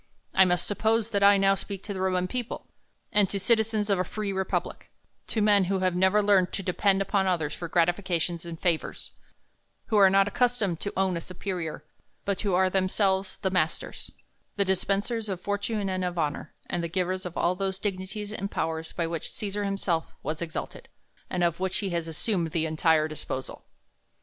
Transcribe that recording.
I must suppose, that I now speak to the Roman people, and to citizens of a free republic ; to men who have never learned to depend upon others for gratifications and favours ; who are not accustomed to own a superior, but who are themselves the masters, the dispensers of fortune and of honor, and the givers of all those dignities and powers by which Cesar himself was exalted, and of which he as sumed the entire disposal.